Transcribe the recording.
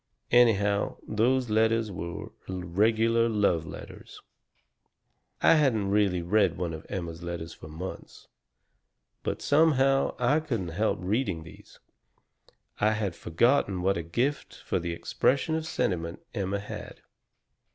Anyhow, those letters were regular love letters. "I hadn't really read one of Emma's letters for months. But somehow I couldn't help reading these. I had forgotten what a gift for the expression of sentiment Emma had.